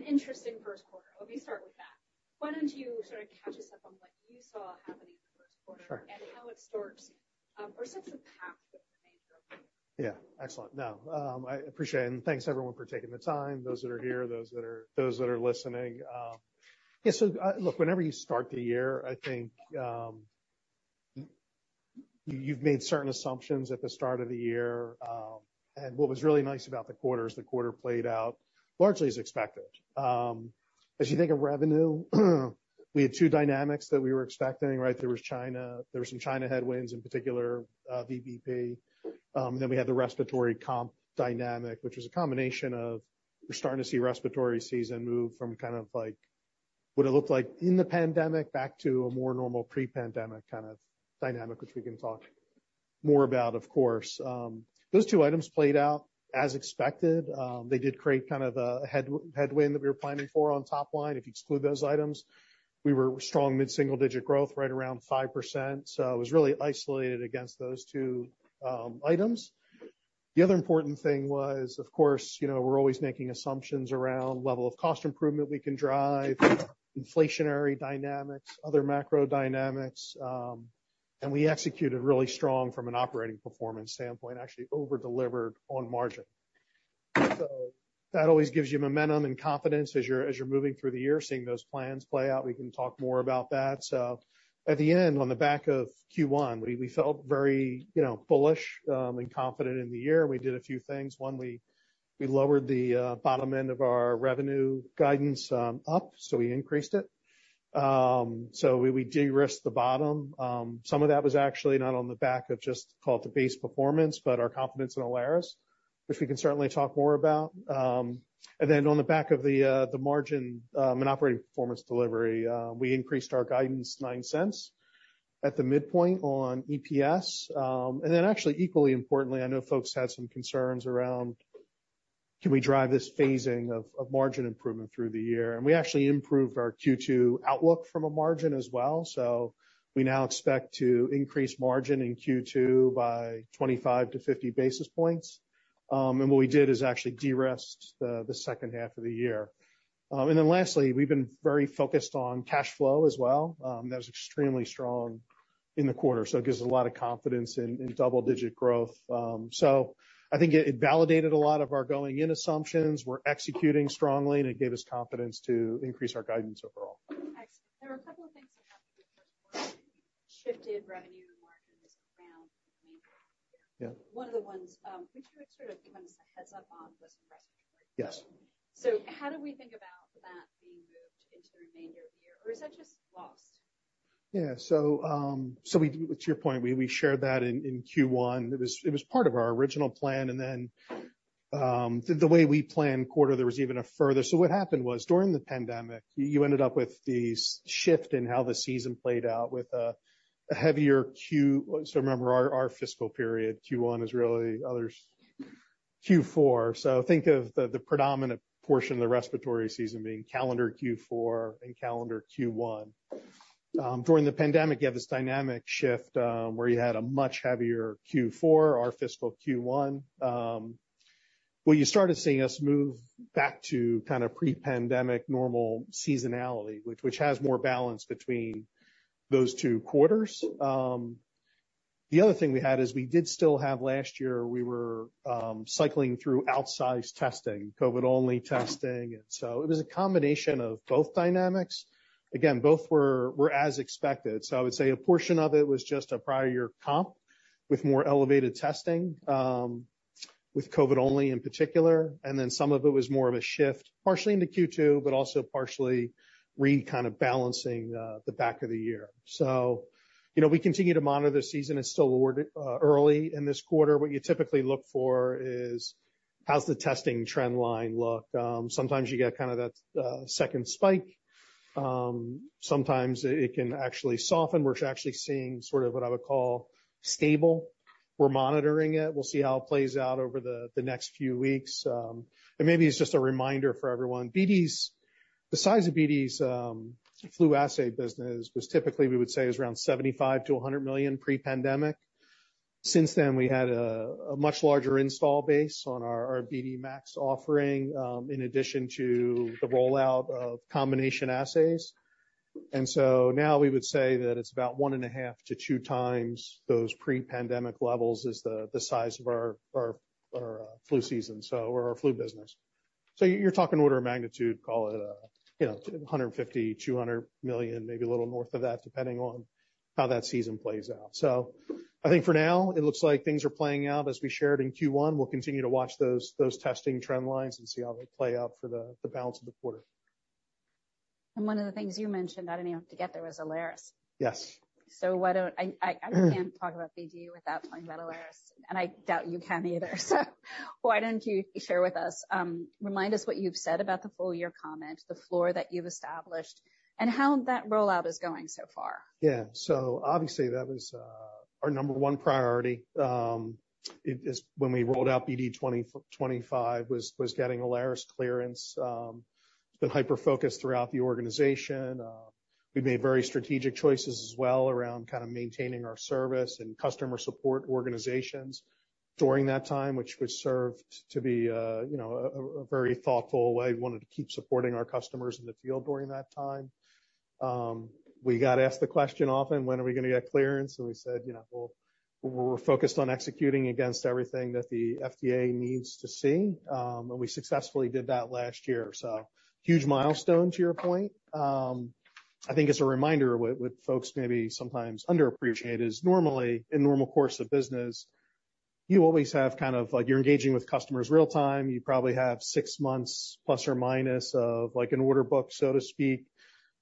An interesting first quarter. Let me start with that. Why don't you sort of catch us up on what you saw happening in the first quarter. Sure. How it starts, or sets a path for the remainder of the year. Yeah. Excellent. No, I appreciate it, and thanks everyone for taking the time, those that are here, those that are listening. Yeah, so, look, whenever you start the year, I think, you've made certain assumptions at the start of the year, and what was really nice about the quarter is the quarter played out largely as expected. As you think of revenue, we had two dynamics that we were expecting, right? There was China. There were some China headwinds in particular, VBP, and then we had the respiratory comp dynamic, which was a combination of we're starting to see respiratory season move from kind of like what it looked like in the pandemic back to a more normal pre-pandemic kind of dynamic, which we can talk more about, of course. Those two items played out as expected. They did create kind of a headwind that we were planning for on top line. If you exclude those items, we were strong mid-single digit growth right around 5%, so it was really isolated against those two items. The other important thing was, of course, you know, we're always making assumptions around level of cost improvement we can drive, inflationary dynamics, other macro dynamics, and we executed really strong from an operating performance standpoint, actually over-delivered on margin. So that always gives you momentum and confidence as you're moving through the year, seeing those plans play out. We can talk more about that. So at the end, on the back of Q1, we felt very, you know, bullish and confident in the year, and we did a few things. One, we lowered the bottom end of our revenue guidance up, so we increased it. We de-risked the bottom. Some of that was actually not on the back of just call it the base performance, but our confidence in Alaris, which we can certainly talk more about. On the back of the margin and operating performance delivery, we increased our guidance $0.09 at the midpoint on EPS. Actually, equally importantly, I know folks had some concerns around, can we drive this phasing of margin improvement through the year? We actually improved our Q2 outlook from a margin as well, so we now expect to increase margin in Q2 by 25-50 basis points. What we did is actually de-risked the second half of the year. Lastly, we've been very focused on cash flow as well. That was extremely strong in the quarter, so it gives us a lot of confidence in double-digit growth. So I think it validated a lot of our going-in assumptions. We're executing strongly, and it gave us confidence to increase our guidance overall. Excellent. There were a couple of things that happened in the first quarter. Shifted revenue and margins around the remainder of the year. Yeah. One of the ones, could you sort of give us a heads-up on was in respiratory? Yes. How do we think about that being moved into the remainder of the year, or is that just lost? Yeah. So, to your point, we shared that in Q1. It was part of our original plan, and then, the way we planned the quarter, there was even a further so what happened was, during the pandemic, you ended up with the shift in how the season played out with a heavier Q. So remember our fiscal period, Q1 is really others Q4. So think of the predominant portion of the respiratory season being calendar Q4 and calendar Q1. During the pandemic, you had this dynamic shift, where you had a much heavier Q4, our fiscal Q1. Well, you started seeing us move back to kind of pre-pandemic normal seasonality, which has more balance between those two quarters. The other thing we had is we did still have last year; we were cycling through outsized testing, COVID-only testing, and so it was a combination of both dynamics. Again, both were as expected. So I would say a portion of it was just a prior-year comp with more elevated testing, with COVID-only in particular, and then some of it was more of a shift, partially into Q2, but also partially kind of balancing the back of the year. So, you know, we continue to monitor the season. It's still early in this quarter. What you typically look for is, how's the testing trend line look? Sometimes you get kind of that second spike. Sometimes it can actually soften. We're actually seeing sort of what I would call stable. We're monitoring it. We'll see how it plays out over the next few weeks. Maybe it's just a reminder for everyone. BD's the size of BD's flu assay business was typically, we would say, is around $75 million-$100 million pre-pandemic. Since then, we had a much larger installed base on our BD MAX offering, in addition to the rollout of combination assays. And so now we would say that it's about 1.5-2 times those pre-pandemic levels is the size of our flu season, so or our flu business. So you're talking order of magnitude, call it, you know, $150-$200 million, maybe a little north of that, depending on how that season plays out. So I think for now, it looks like things are playing out as we shared in Q1. We'll continue to watch those testing trend lines and see how they play out for the balance of the quarter. One of the things you mentioned I didn't even have to get there was Alaris. Yes. So why don't I can't talk about BD without talking about Alaris, and I doubt you can either, so why don't you share with us, remind us what you've said about the full-year comment, the floor that you've established, and how that rollout is going so far? Yeah. So obviously, that was our number one priority. It is when we rolled out BD 2025 was getting Alaris clearance. It's been hyper-focused throughout the organization. We made very strategic choices as well around kind of maintaining our service and customer support organizations during that time, which served to be, you know, a very thoughtful way. We wanted to keep supporting our customers in the field during that time. We got asked the question often, "When are we gonna get clearance?" And we said, you know, "Well, we're focused on executing against everything that the FDA needs to see." And we successfully did that last year, so huge milestone to your point. I think it's a reminder of what folks maybe sometimes underappreciate is, normally, in normal course of business, you always have kind of like you're engaging with customers real-time. You probably have six months ± of, like, an order book, so to speak.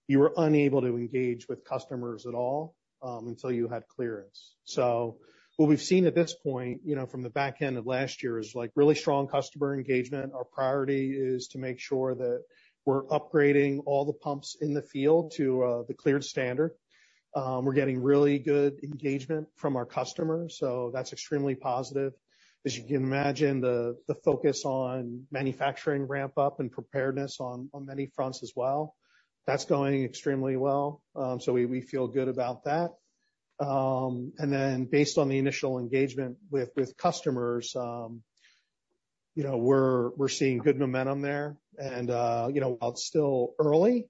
You were unable to engage with customers at all, until you had clearance. So what we've seen at this point, you know, from the back end of last year is, like, really strong customer engagement. Our priority is to make sure that we're upgrading all the pumps in the field to the cleared standard. We're getting really good engagement from our customers, so that's extremely positive. As you can imagine, the focus on manufacturing ramp-up and preparedness on many fronts as well, that's going extremely well. So we feel good about that. And then based on the initial engagement with customers, you know, we're seeing good momentum there. You know, while it's still early,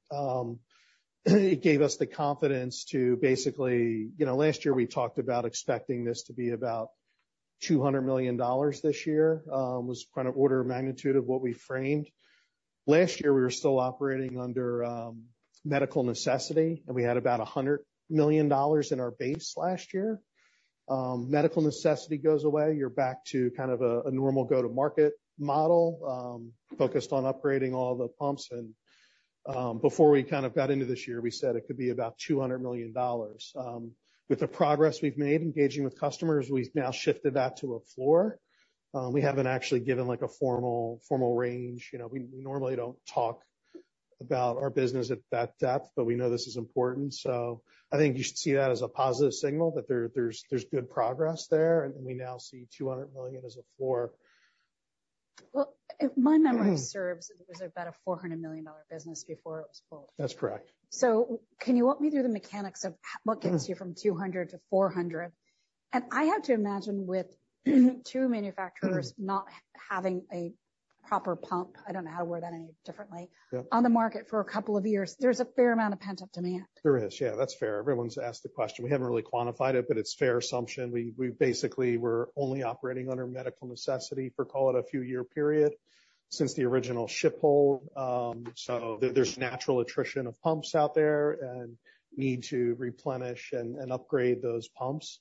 it gave us the confidence to basically, you know, last year, we talked about expecting this to be about $200 million this year, was kind of order of magnitude of what we framed. Last year, we were still operating under Medical Necessity, and we had about $100 million in our base last year. Medical Necessity goes away. You're back to kind of a normal go-to-market model, focused on upgrading all the pumps. Before we kind of got into this year, we said it could be about $200 million. With the progress we've made engaging with customers, we've now shifted that to a floor. We haven't actually given, like, a formal range. You know, we normally don't talk about our business at that depth, but we know this is important. So I think you should see that as a positive signal that there's good progress there, and we now see $200 million as a floor. Well, if my memory serves, it was about a $400 million business before it was pulled. That's correct. So can you walk me through the mechanics of what gets you from 200-400? And I have to imagine with two manufacturers not having a proper pump (I don't know how to word that any differently) on the market for a couple of years, there's a fair amount of pent-up demand. There is. Yeah. That's fair. Everyone's asked the question. We haven't really quantified it, but it's a fair assumption. We basically were only operating under medical necessity for, call it, a few-year period since the original ship hold. So there's natural attrition of pumps out there and need to replenish and upgrade those pumps,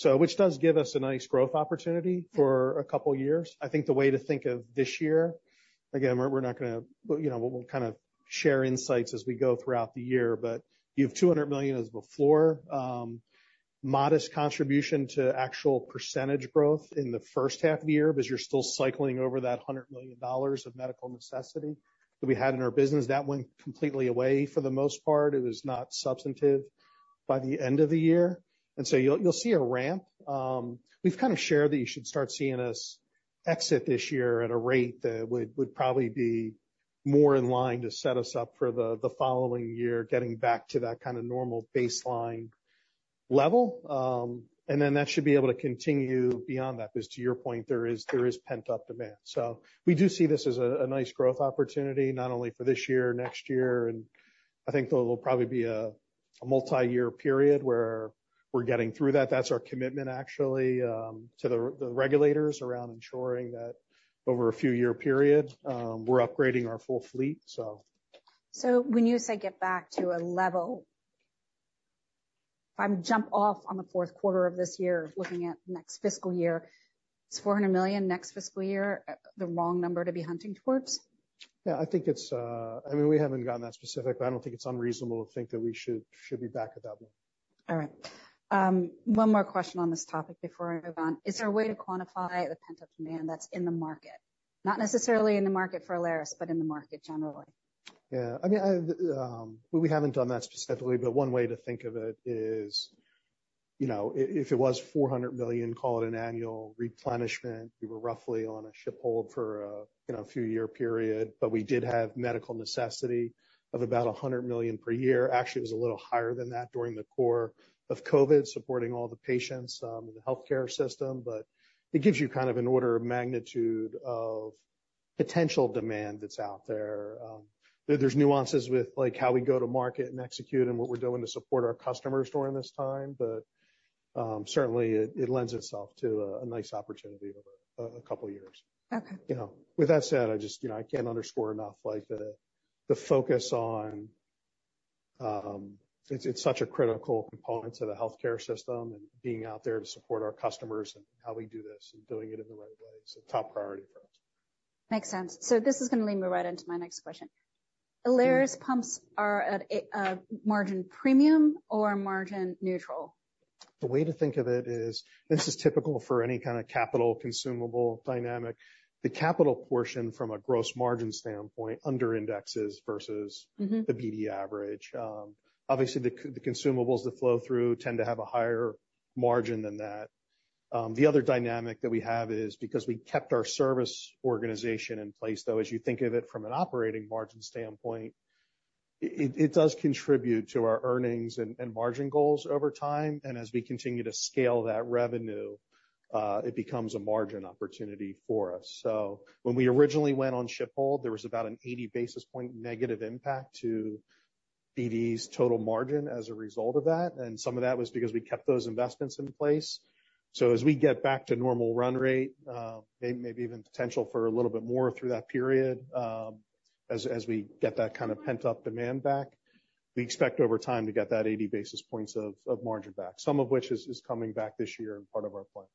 so which does give us a nice growth opportunity for a couple of years. I think the way to think of this year again, we're not gonna you know, we'll kind of share insights as we go throughout the year. But you have $200 million as a floor, modest contribution to actual percentage growth in the first half of the year because you're still cycling over that $100 million of medical necessity that we had in our business. That went completely away for the most part. It was not substantive by the end of the year. And so you'll, you'll see a ramp. We've kind of shared that you should start seeing us exit this year at a rate that would, would probably be more in line to set us up for the, the following year, getting back to that kind of normal baseline level. And then that should be able to continue beyond that because, to your point, there is there is pent-up demand. So we do see this as a, a nice growth opportunity, not only for this year, next year, and I think there'll, there'll probably be a, a multi-year period where we're getting through that. That's our commitment, actually, to the, the regulators around ensuring that over a few-year period, we're upgrading our full fleet, so. So when you say get back to a level, if I'm jump off on the fourth quarter of this year, looking at next fiscal year, it's $400 million next fiscal year, the wrong number to be hunting towards? Yeah. I think it's, I mean, we haven't gotten that specific, but I don't think it's unreasonable to think that we should be back at that level. All right. One more question on this topic before I move on. Is there a way to quantify the pent-up demand that's in the market, not necessarily in the market for Alaris, but in the market generally? Yeah. I mean, well, we haven't done that specifically, but one way to think of it is, you know, if it was $400 million, call it an annual replenishment, we were roughly on a shiphold for a, you know, few-year period, but we did have medical necessity of about $100 million per year. Actually, it was a little higher than that during the core of COVID, supporting all the patients, in the healthcare system. But it gives you kind of an order of magnitude of potential demand that's out there. There's nuances with, like, how we go to market and execute and what we're doing to support our customers during this time, but, certainly, it, it lends itself to a, a nice opportunity over a, a couple of years. Okay. You know, with that said, I just you know, I can't underscore enough, like, the focus on, it's such a critical component to the healthcare system and being out there to support our customers and how we do this and doing it in the right way. It's a top priority for us. Makes sense. So this is gonna lead me right into my next question. Alaris pumps are at a margin premium or margin neutral? The way to think of it is this is typical for any kind of capital-consumable dynamic. The capital portion, from a gross margin standpoint, underindexes versus. Mm-hmm. The BD average. Obviously, the, the consumables, the flow-through, tend to have a higher margin than that. The other dynamic that we have is because we kept our service organization in place, though, as you think of it from an operating margin standpoint, it, it does contribute to our earnings and, and margin goals over time. And as we continue to scale that revenue, it becomes a margin opportunity for us. So when we originally went on shiphold, there was about an 80 basis point negative impact to BD's total margin as a result of that. And some of that was because we kept those investments in place. So as we get back to normal run rate, maybe even potential for a little bit more through that period, as we get that kind of pent-up demand back, we expect over time to get that 80 basis points of margin back, some of which is coming back this year and part of our plan.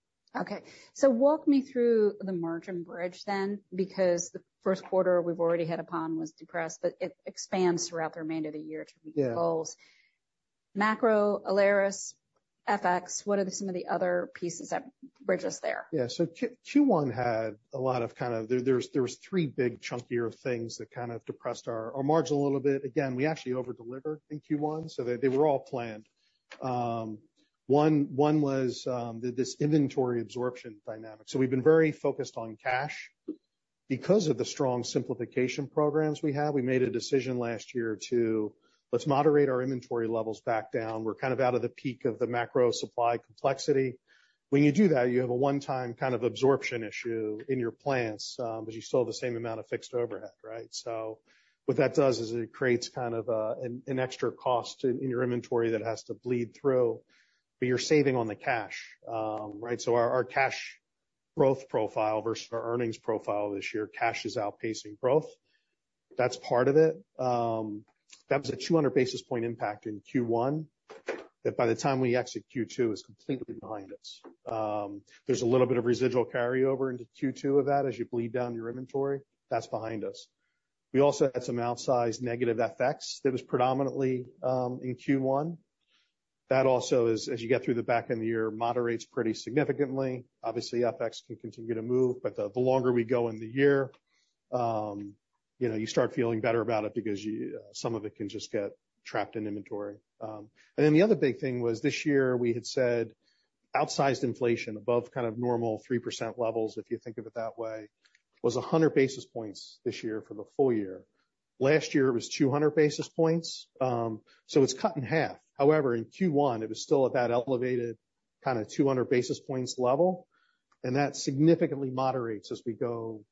Okay. So walk me through the margin bridge then because the first quarter we've already hit upon was depressed, but it expands throughout the remainder of the year to meet goals. Yeah. Macro, Alaris, FX, what are some of the other pieces that bridge us there? Yeah. So Q1 had a lot of kind of, there are three big chunkier things that kind of depressed our margin a little bit. Again, we actually overdelivered in Q1, so they were all planned. One was this inventory absorption dynamic. So we've been very focused on cash because of the strong simplification programs we have. We made a decision last year to, "Let's moderate our inventory levels back down. We're kind of out of the peak of the macro supply complexity." When you do that, you have a one-time kind of absorption issue in your plants, because you still have the same amount of fixed overhead, right? So what that does is it creates kind of an extra cost in your inventory that has to bleed through, but you're saving on the cash, right? So our cash growth profile versus our earnings profile this year, cash is outpacing growth. That's part of it. That was a 200 basis point impact in Q1 that by the time we exit Q2 is completely behind us. There's a little bit of residual carryover into Q2 of that as you bleed down your inventory. That's behind us. We also had some outsized negative FX that was predominantly in Q1. That also is, as you get through the back end of the year, moderates pretty significantly. Obviously, FX can continue to move, but the longer we go in the year, you know, you start feeling better about it because you, some of it can just get trapped in inventory. And then the other big thing was this year we had said outsized inflation above kind of normal 3% levels, if you think of it that way, was 100 basis points this year for the full year. Last year, it was 200 basis points. So it's cut in half. However, in Q1, it was still at that elevated kind of 200 basis points level, and that significantly moderates as we go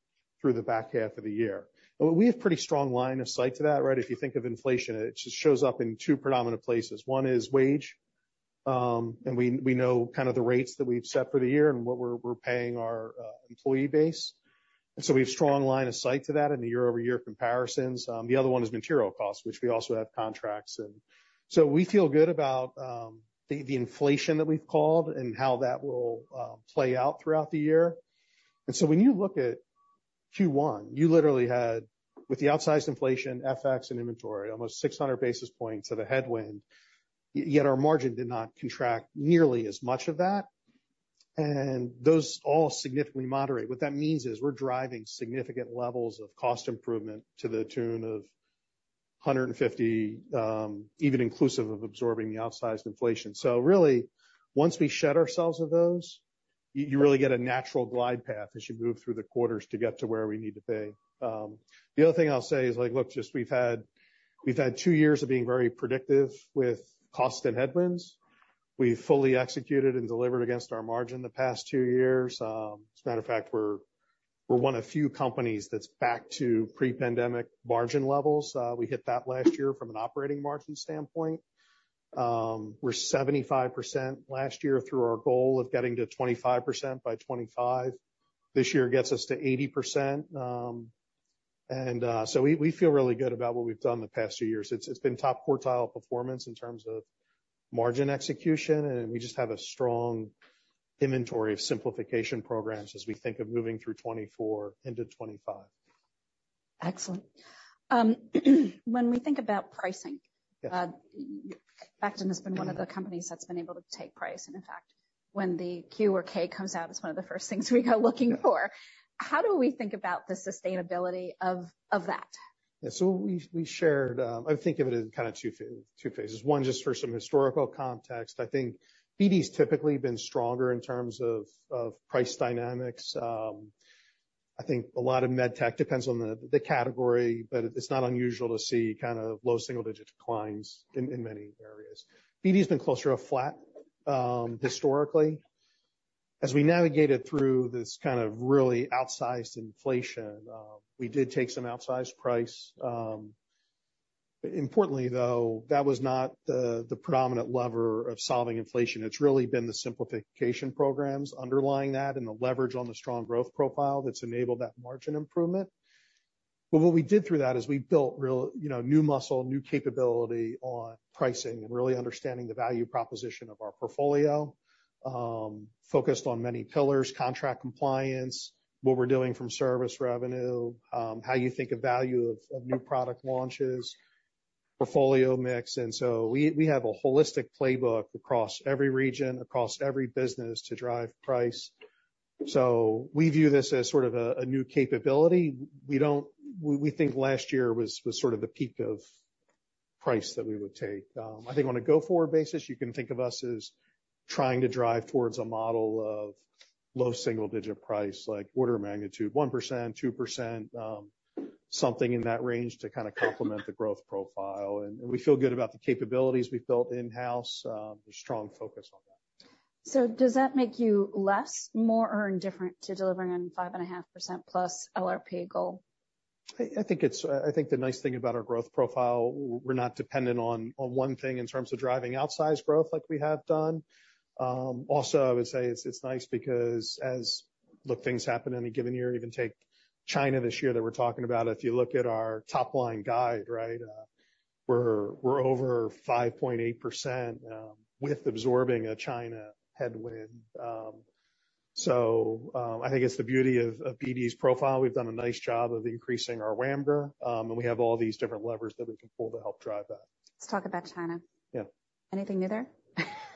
through the back half of the year. And we have a pretty strong line of sight to that, right? If you think of inflation, it just shows up in two predominant places. One is wage, and we know kind of the rates that we've set for the year and what we're paying our employee base. And so we have a strong line of sight to that in the year-over-year comparisons. The other one is material costs, which we also have contracts in. So we feel good about the inflation that we've called and how that will play out throughout the year. And so when you look at Q1, you literally had, with the outsized inflation, FX and inventory, almost 600 basis points of a headwind, yet our margin did not contract nearly as much of that. And those all significantly moderate. What that means is we're driving significant levels of cost improvement to the tune of 150, even inclusive of absorbing the outsized inflation. So really, once we shed ourselves of those, you really get a natural glide path as you move through the quarters to get to where we need to be. The other thing I'll say is, like, look, just we've had two years of being very predictive with costs and headwinds. We've fully executed and delivered against our margin the past two years. As a matter of fact, we're, we're one of few companies that's back to pre-pandemic margin levels. We hit that last year from an operating margin standpoint. We're 75% last year through our goal of getting to 25% by 2025. This year gets us to 80%. And, so we, we feel really good about what we've done the past two years. It's, it's been top quartile performance in terms of margin execution, and we just have a strong inventory of simplification programs as we think of moving through 2024 into 2025. Excellent. When we think about pricing. Yes. Becton has been one of the companies that's been able to take price. In fact, when the Q or K comes out, it's one of the first things we go looking for. How do we think about the sustainability of that? Yeah. So we shared, I think of it as kind of two phases. One, just for some historical context, I think BD's typically been stronger in terms of price dynamics. I think a lot of med tech depends on the category, but it's not unusual to see kind of low single-digit declines in many areas. BD's been closer to a flat, historically. As we navigated through this kind of really outsized inflation, we did take some outsized price. Importantly, though, that was not the predominant lever of solving inflation. It's really been the simplification programs underlying that and the leverage on the strong growth profile that's enabled that margin improvement. But what we did through that is we built real, you know, new muscle, new capability on pricing and really understanding the value proposition of our portfolio, focused on many pillars: contract compliance, what we're doing from service revenue, how you think of value of new product launches, portfolio mix. And so we have a holistic playbook across every region, across every business to drive price. So we view this as sort of a new capability. We don't, we think last year was the peak of price that we would take. I think on a go-forward basis, you can think of us as trying to drive towards a model of low single-digit price, like order magnitude 1%, 2%, something in that range to kind of complement the growth profile. And we feel good about the capabilities we've built in-house. There's a strong focus on that. Does that make you less, more, or indifferent to delivering on 5.5%+ LRP goal? I think it's the nice thing about our growth profile. We're not dependent on one thing in terms of driving outsized growth like we have done. I would say it's nice because as you look, things happen in a given year. Even take China this year that we're talking about. If you look at our top-line guide, right, we're over 5.8%, with absorbing a China headwind. I think it's the beauty of BD's profile. We've done a nice job of increasing our WAMGR, and we have all these different levers that we can pull to help drive that. Let's talk about China. Yeah. Anything new there?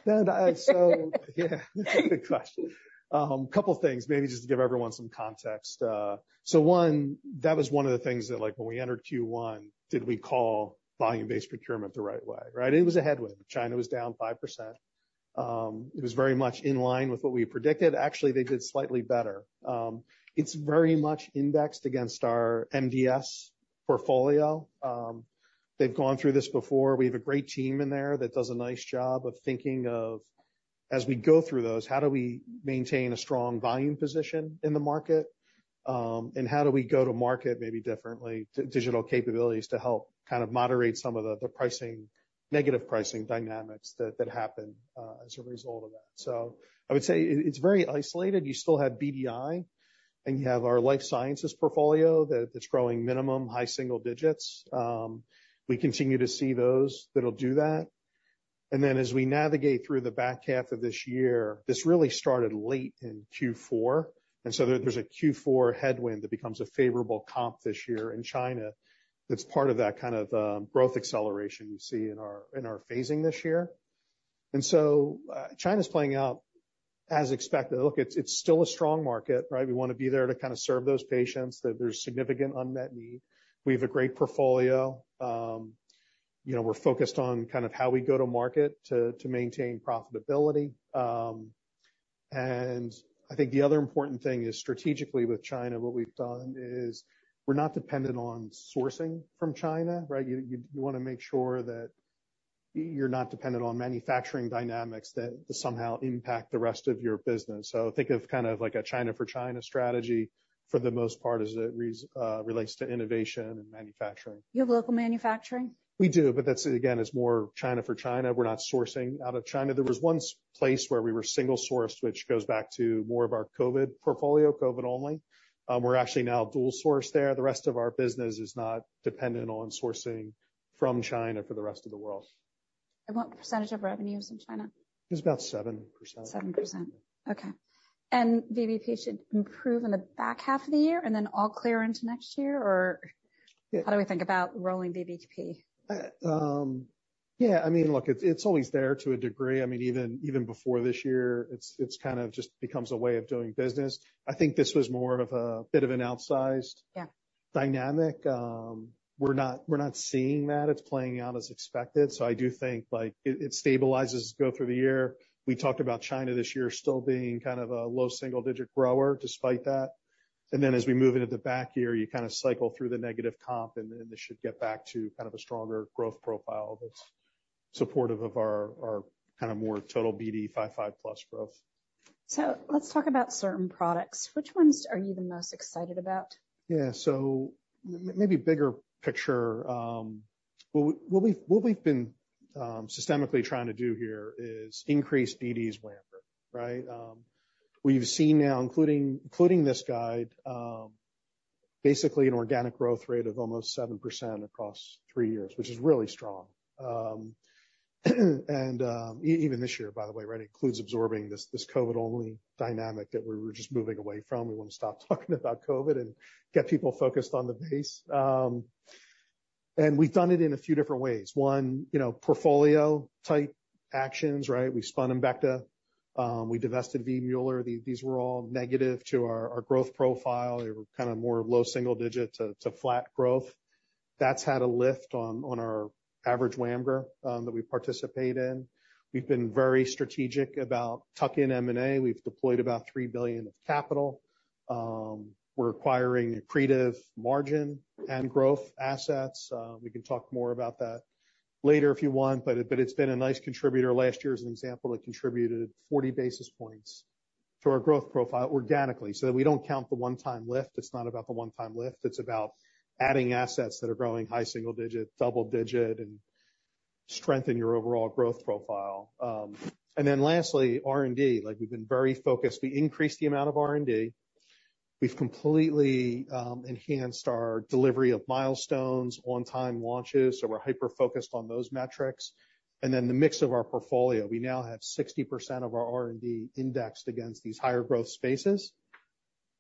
No, no. So yeah. That's a good question. A couple of things, maybe just to give everyone some context. So one, that was one of the things that, like, when we entered Q1, did we call volume-based procurement the right way, right? It was a headwind. China was down 5%. It was very much in line with what we predicted. Actually, they did slightly better. It's very much indexed against our MDS portfolio. They've gone through this before. We have a great team in there that does a nice job of thinking of, as we go through those, how do we maintain a strong volume position in the market, and how do we go to market maybe differently, digital capabilities to help kind of moderate some of the, the negative pricing dynamics that, that happen, as a result of that. So I would say it's very isolated. You still have BDI, and you have our life sciences portfolio that that's growing minimum high single digits. We continue to see those that'll do that. And then as we navigate through the back half of this year, this really started late in Q4. And so there, there's a Q4 headwind that becomes a favorable comp this year in China that's part of that kind of growth acceleration we see in our phasing this year. And so, China's playing out as expected. Look, it's still a strong market, right? We wanna be there to kind of serve those patients. There's significant unmet need. We have a great portfolio. You know, we're focused on kind of how we go to market to maintain profitability. And I think the other important thing is strategically with China, what we've done is we're not dependent on sourcing from China, right? You wanna make sure that you're not dependent on manufacturing dynamics that somehow impact the rest of your business. So think of kind of like a China for China strategy for the most part as it relates to innovation and manufacturing. You have local manufacturing? We do, but that's, again, is more China for China. We're not sourcing out of China. There was one place where we were single-sourced, which goes back to more of our COVID portfolio, COVID-only. We're actually now dual-sourced there. The rest of our business is not dependent on sourcing from China for the rest of the world. What percentage of revenue is in China? It's about 7%. 7%. Okay. And VBP should improve in the back half of the year and then all clear into next year, or? Yeah. How do we think about rolling VBP? Yeah. I mean, look, it's, it's always there to a degree. I mean, even, even before this year, it's, it's kind of just becomes a way of doing business. I think this was more of a bit of an outsized. Yeah. Dynamic. We're not seeing that. It's playing out as expected. So I do think, like, it stabilizes as we go through the year. We talked about China this year still being kind of a low single-digit grower despite that. And then as we move into the back year, you kind of cycle through the negative comp, and then this should get back to kind of a stronger growth profile that's supportive of our, our kind of more total BD 5.5-plus growth. Let's talk about certain products. Which ones are you the most excited about? Yeah. So maybe bigger picture, what we've been systematically trying to do here is increase BD's WAMGR, right? We've seen now, including this guide, basically an organic growth rate of almost 7% across three years, which is really strong. Even this year, by the way, right, includes absorbing this COVID-only dynamic that we were just moving away from. We wanna stop talking about COVID and get people focused on the base. And we've done it in a few different ways. One, you know, portfolio-type actions, right? We spun Embecta. We divested V. Mueller. These were all negative to our growth profile. They were kind of more low single-digit to flat growth. That's had a lift on our average WAMGR that we participate in. We've been very strategic about tuck-in M&A. We've deployed about $3 billion of capital. We're acquiring accretive margin and growth assets. We can talk more about that later if you want, but it's been a nice contributor. Last year's an example. It contributed 40 basis points to our growth profile organically so that we don't count the one-time lift. It's not about the one-time lift. It's about adding assets that are growing high single-digit, double-digit, and strengthen your overall growth profile. Then lastly, R&D. Like, we've been very focused. We increased the amount of R&D. We've completely enhanced our delivery of milestones, on-time launches. So we're hyper-focused on those metrics. Then the mix of our portfolio, we now have 60% of our R&D indexed against these higher growth spaces.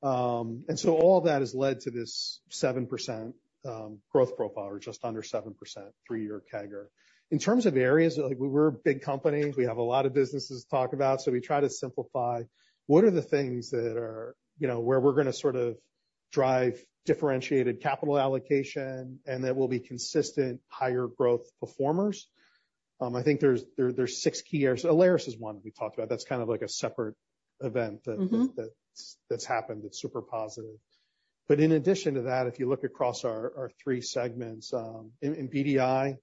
So all of that has led to this 7% growth profile or just under 7% three-year CAGR. In terms of areas, like, we're a big company. We have a lot of businesses to talk about. So we try to simplify what are the things that are, you know, where we're gonna sort of drive differentiated capital allocation and that will be consistent higher growth performers. I think there's six key areas. Alaris is one that we talked about. That's kind of like a separate event that's happened that's super positive. But in addition to that, if you look across our three segments, in BDI,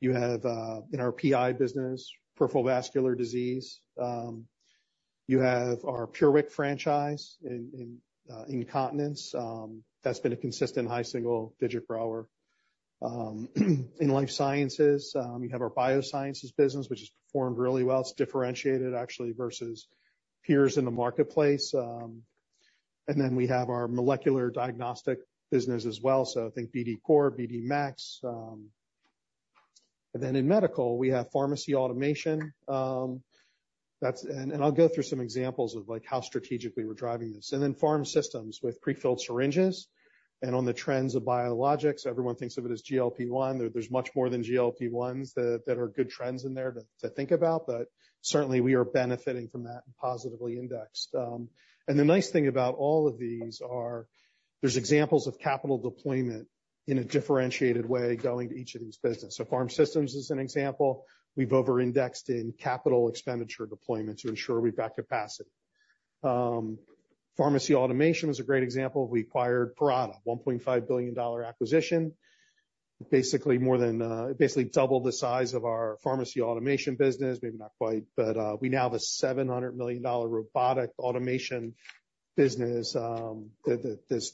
you have, in our PI business, peripheral vascular disease. You have our PureWick franchise in incontinence. That's been a consistent high single-digit grower. In Life Sciences, you have our Biosciences business, which has performed really well. It's differentiated, actually, versus peers in the marketplace. And then we have our molecular diagnostic business as well. So I think BD COR, BD MAX. And then in medical, we have pharmacy automation. That's, and I'll go through some examples of, like, how strategically we're driving this. And then pharm systems with prefilled syringes. And on the trends of biologics, everyone thinks of it as GLP-1. There's much more than GLP-1s that are good trends in there to think about. But certainly, we are benefiting from that and positively indexed. And the nice thing about all of these are there's examples of capital deployment in a differentiated way going to each of these businesses. So pharm systems is an example. We've over-indexed in capital expenditure deployment to ensure we back capacity. Pharmacy automation was a great example. We acquired Parata, $1.5 billion acquisition. Basically, it basically doubled the size of our pharmacy automation business, maybe not quite, but we now have a $700 million robotic automation business, that's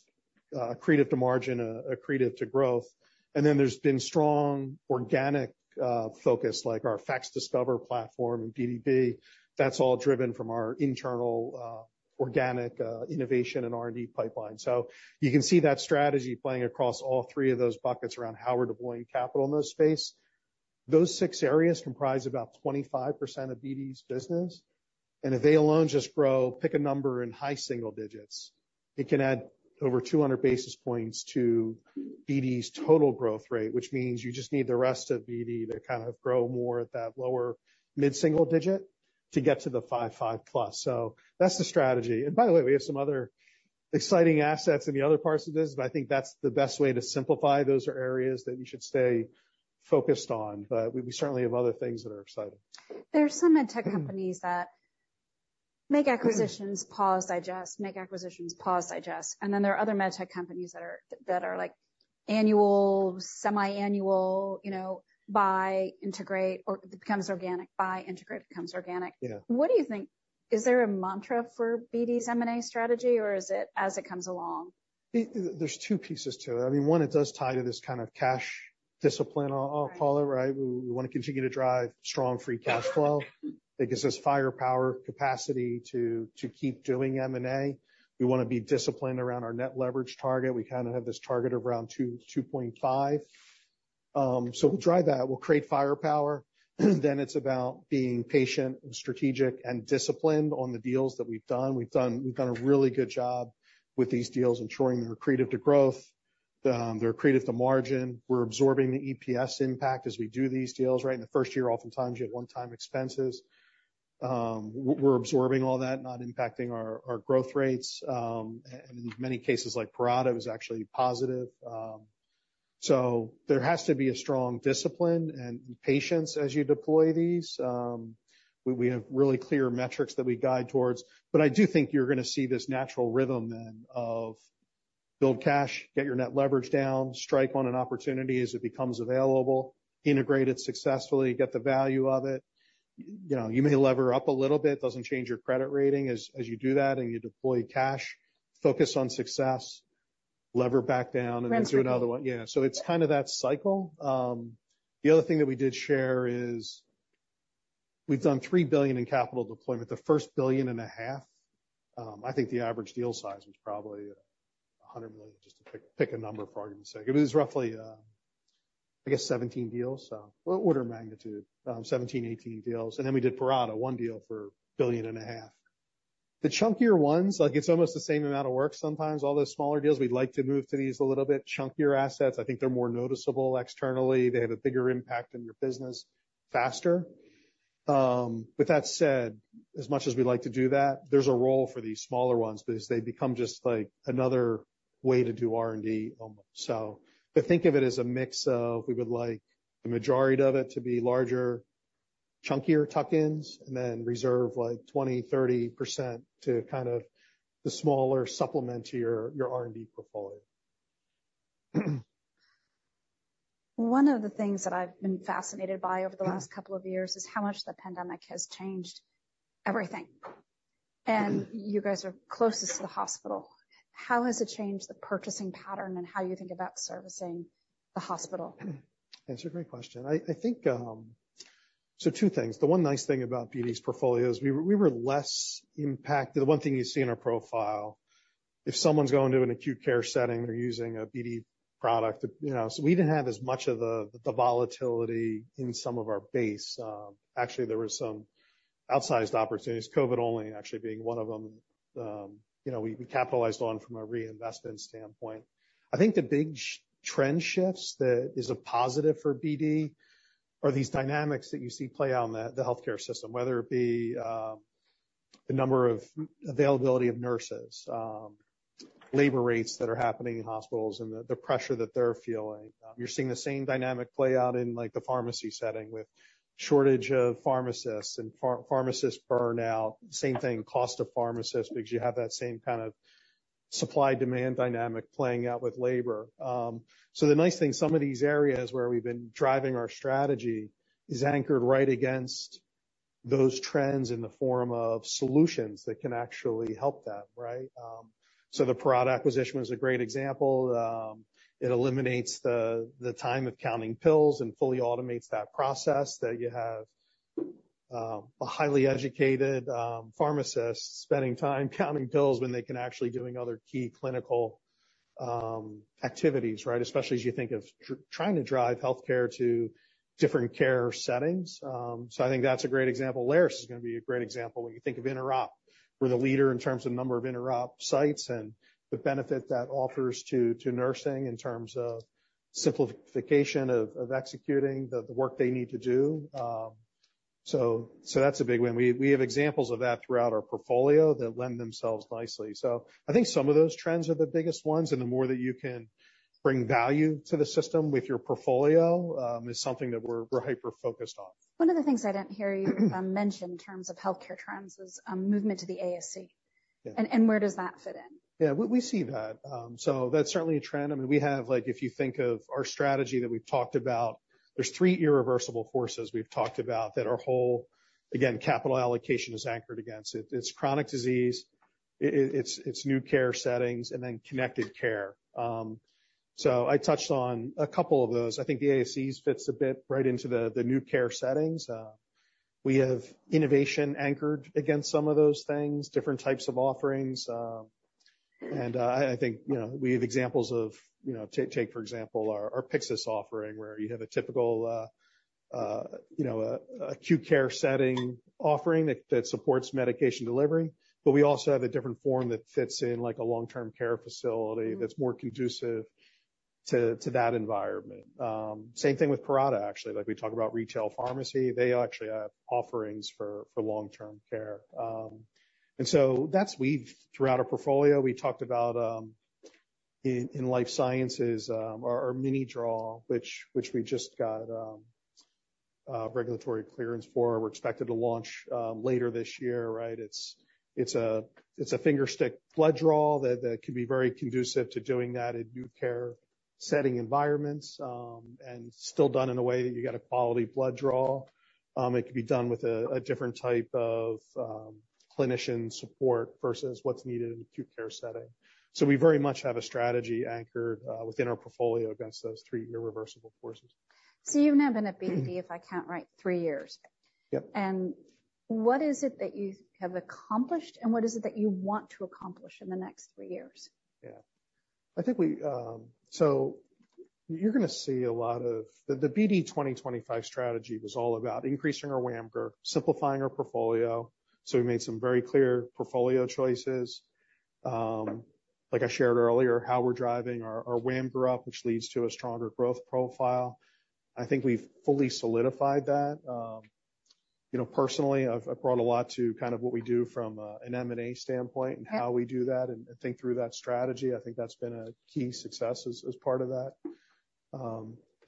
accretive to margin, accretive to growth. And then there's been strong organic focus, like our FACSDiscover platform and BDB. That's all driven from our internal organic innovation and R&D pipeline. So you can see that strategy playing across all three of those buckets around how we're deploying capital in those spaces. Those six areas comprise about 25% of BD's business. And if they alone just grow, pick a number in high single digits, it can add over 200 basis points to BD's total growth rate, which means you just need the rest of BD to kind of grow more at that lower mid-single digit to get to the 5.5%+. So that's the strategy. By the way, we have some other exciting assets in the other parts of this, but I think that's the best way to simplify. Those are areas that you should stay focused on. But we certainly have other things that are exciting. There's some medtech companies that make acquisitions, pause, digest, make acquisitions, pause, digest. And then there are other medtech companies that are, like, annual, semi-annual, you know, buy, integrate, or it becomes organic. Buy, integrate, becomes organic. Yeah. What do you think is there a mantra for BD's M&A strategy, or is it as it comes along? There's two pieces to it. I mean, one, it does tie to this kind of cash discipline, I'll call it, right? We wanna continue to drive strong free cash flow. It gives us firepower, capacity to keep doing M&A. We wanna be disciplined around our net leverage target. We kind of have this target of around 2-2.5. So we'll drive that. We'll create firepower. Then it's about being patient and strategic and disciplined on the deals that we've done. We've done a really good job with these deals, ensuring they're accretive to growth, they're accretive to margin. We're absorbing the EPS impact as we do these deals, right? In the first year, oftentimes, you had one-time expenses. We're absorbing all that, not impacting our growth rates. And in many cases, like Parata, it was actually positive. So there has to be a strong discipline and patience as you deploy these. We have really clear metrics that we guide towards. But I do think you're gonna see this natural rhythm then of build cash, get your net leverage down, strike on an opportunity as it becomes available, integrate it successfully, get the value of it. You know, you may lever up a little bit. It doesn't change your credit rating as you do that and you deploy cash. Focus on success. Lever back down and then do another one. Right. Yeah. So it's kind of that cycle. The other thing that we did share is we've done $3 billion in capital deployment. The first $1.5 billion, I think the average deal size was probably $100 million, just to pick a number for argument's sake. It was roughly, I guess, 17 deals, so order of magnitude, 17-18 deals. And then we did Parata, one deal for $1.5 billion. The chunkier ones, like, it's almost the same amount of work sometimes. All those smaller deals, we'd like to move to these a little bit chunkier assets. I think they're more noticeable externally. They have a bigger impact on your business faster. With that said, as much as we like to do that, there's a role for these smaller ones because they become just, like, another way to do R&D almost. Think of it as a mix of we would like the majority of it to be larger, chunkier tuck-ins, and then reserve, like, 20%-30% to kind of the smaller supplement to your, your R&D portfolio. One of the things that I've been fascinated by over the last couple of years is how much the pandemic has changed everything. You guys are closest to the hospital. How has it changed the purchasing pattern and how you think about servicing the hospital? That's a great question. I, I think, so two things. The one nice thing about BD's portfolio is we were, we were less impacted. The one thing you see in our profile, if someone's going to an acute care setting, they're using a BD product, you know. So we didn't have as much of the, the volatility in some of our base. Actually, there were some outsized opportunities, COVID-only actually being one of them. You know, we, we capitalized on from a reinvestment standpoint. I think the big trend shifts that is a positive for BD are these dynamics that you see play out in the, the healthcare system, whether it be, the number of availability of nurses, labor rates that are happening in hospitals, and the, the pressure that they're feeling. You're seeing the same dynamic play out in, like, the pharmacy setting with shortage of pharmacists and pharmacist burnout. Same thing, cost of pharmacists because you have that same kind of supply-demand dynamic playing out with labor. So the nice thing, some of these areas where we've been driving our strategy is anchored right against those trends in the form of solutions that can actually help them, right? So the Parata acquisition was a great example. It eliminates the time of counting pills and fully automates that process that you have, a highly educated, pharmacist spending time counting pills when they can actually be doing other key clinical activities, right, especially as you think of trying to drive healthcare to different care settings. So I think that's a great example. Alaris is gonna be a great example. When you think of Interop, we're the leader in terms of number of Interop sites and the benefit that offers to nursing in terms of simplification of executing the work they need to do. So that's a big one. We have examples of that throughout our portfolio that lend themselves nicely. So I think some of those trends are the biggest ones. And the more that you can bring value to the system with your portfolio is something that we're hyper-focused on. One of the things I didn't hear you mention in terms of healthcare trends is movement to the ASC. Yeah. Where does that fit in? Yeah. We see that. So that's certainly a trend. I mean, we have, like, if you think of our strategy that we've talked about, there's three irreversible forces we've talked about that our whole, again, capital allocation is anchored against. It's chronic disease. It's new care settings, and then connected care. So I touched on a couple of those. I think the ASCs fits a bit right into the new care settings. We have innovation anchored against some of those things, different types of offerings. And I think, you know, we have examples of, you know, take, for example, our Pyxis offering where you have a typical, you know, a acute care setting offering that supports medication delivery. But we also have a different form that fits in, like, a long-term care facility that's more conducive to that environment. Same thing with Parata, actually. Like, we talk about retail pharmacy. They actually have offerings for long-term care. And so that's we've throughout our portfolio, we talked about in life sciences our mini draw, which we just got regulatory clearance for. We're expected to launch later this year, right? It's a fingerstick blood draw that can be very conducive to doing that in new care setting environments, and still done in a way that you got a quality blood draw. It could be done with a different type of clinician support versus what's needed in acute care setting. So we very much have a strategy anchored within our portfolio against those three irreversible forces. You've now been at BD, if I count right, three years. Yep. What is it that you have accomplished, and what is it that you want to accomplish in the next three years? Yeah. I think we, so you're gonna see a lot of the BD 2025 strategy was all about increasing our WAMGR, simplifying our portfolio. So we made some very clear portfolio choices. Like I shared earlier, how we're driving our WAMGR up, which leads to a stronger growth profile. I think we've fully solidified that. You know, personally, I've brought a lot to kind of what we do from an M&A standpoint and how we do that and think through that strategy. I think that's been a key success as part of that.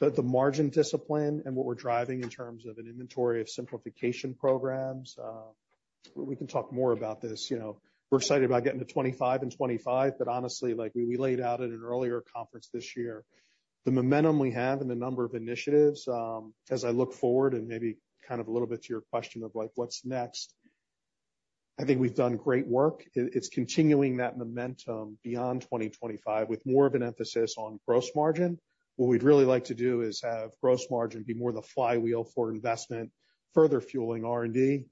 The margin discipline and what we're driving in terms of an inventory of simplification programs, we can talk more about this. You know, we're excited about getting to 25 and 25. But honestly, like, we laid out at an earlier conference this year, the momentum we have and the number of initiatives, as I look forward and maybe kind of a little bit to your question of, like, what's next, I think we've done great work. It's continuing that momentum beyond 2025 with more of an emphasis on gross margin. What we'd really like to do is have gross margin be more the flywheel for investment, further fueling R&D,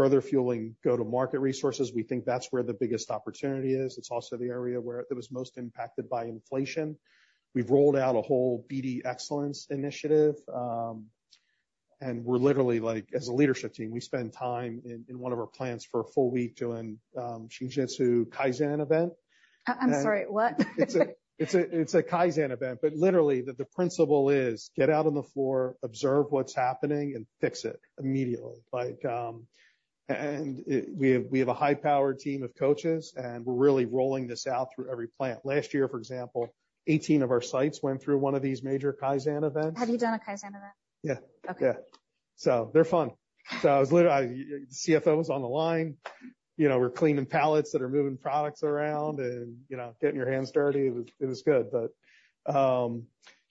further fueling go-to-market resources. We think that's where the biggest opportunity is. It's also the area where it was most impacted by inflation. We've rolled out a whole BD Excellence initiative. And we're literally, like, as a leadership team, we spend time in one of our plants for a full week doing Shingijutsu Kaizen event. I'm sorry. What? It's a Kaizen event. But literally, the principle is get out on the floor, observe what's happening, and fix it immediately. Like, and we have a high-powered team of coaches, and we're really rolling this out through every plant. Last year, for example, 18 of our sites went through one of these major Kaizen events. Have you done a Kaizen event? Yeah. Okay. Yeah. So they're fun. So I was literally I the CFO was on the line. You know, we're cleaning pallets that are moving products around and, you know, getting your hands dirty. It was good. But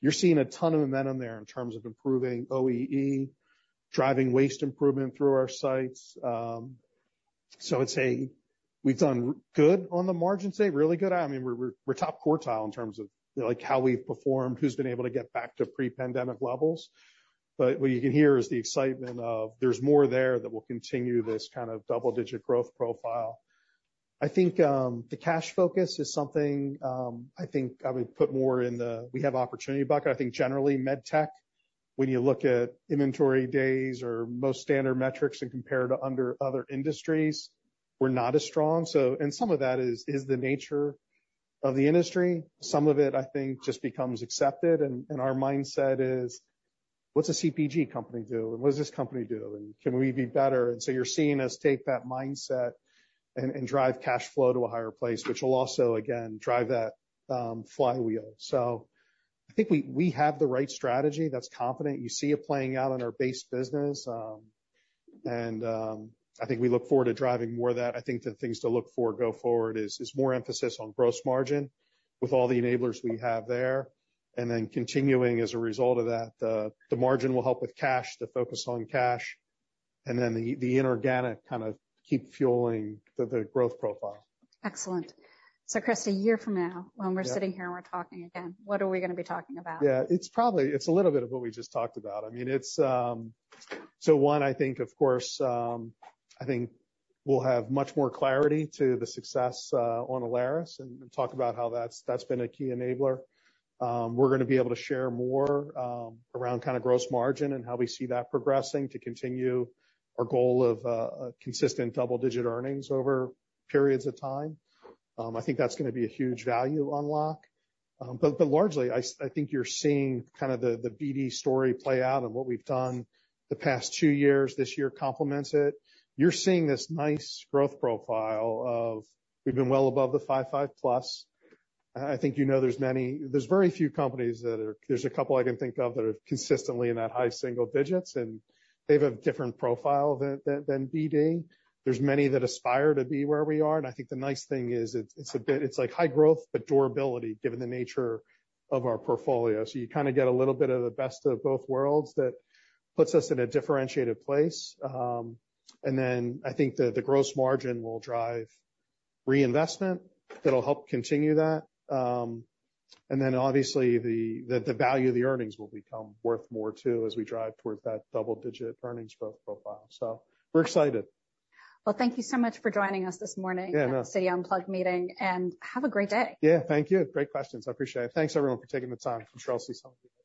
you're seeing a ton of momentum there in terms of improving OEE, driving waste improvement through our sites. So I'd say we've done real good on the margin today, really good. I mean, we're top quartile in terms of, like, how we've performed, who's been able to get back to pre-pandemic levels. But what you can hear is the excitement of there's more there that will continue this kind of double-digit growth profile. I think the cash focus is something. I think I would put more in the we have opportunity bucket. I think generally, medtech, when you look at inventory days or most standard metrics and compare to under other industries, we're not as strong. So some of that is the nature of the industry. Some of it, I think, just becomes accepted. And our mindset is, what's a CPG company do? And what does this company do? And can we be better? And so you're seeing us take that mindset and drive cash flow to a higher place, which will also, again, drive that flywheel. So I think we have the right strategy. That's confident. You see it playing out in our base business. I think we look forward to driving more of that. I think the things to look for go forward is more emphasis on gross margin with all the enablers we have there, and then continuing as a result of that, the margin will help with cash, the focus on cash, and then the inorganic kind of keep fueling the growth profile. Excellent. So, Chris, a year from now, when we're sitting here and we're talking again, what are we gonna be talking about? Yeah. It's probably it's a little bit of what we just talked about. I mean, it's, so one, I think, of course, I think we'll have much more clarity to the success on Alaris and and talk about how that's that's been a key enabler. We're gonna be able to share more around kind of gross margin and how we see that progressing to continue our goal of consistent double-digit earnings over periods of time. I think that's gonna be a huge value unlock. But but largely, I I think you're seeing kind of the the BD story play out and what we've done the past two years. This year complements it. You're seeing this nice growth profile of we've been well above the 5.5%+. I think you know there's very few companies that are consistently in that high single digits, and there's a couple I can think of that are, and they have a different profile than BD. There's many that aspire to be where we are. And I think the nice thing is it's a bit like high growth, but durability given the nature of our portfolio. So you kinda get a little bit of the best of both worlds that puts us in a differentiated place. And then I think the gross margin will drive reinvestment that'll help continue that. And then obviously, the value of the earnings will become worth more too as we drive towards that double-digit earnings growth profile. So we're excited. Well, thank you so much for joining us this morning. Yeah. No. Citi Unplugged meeting. Have a great day. Yeah. Thank you. Great questions. I appreciate it. Thanks, everyone, for taking the time. I'm sure I'll see some of you again.